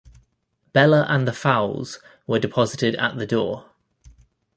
Bella and the fowls were deposited at the door.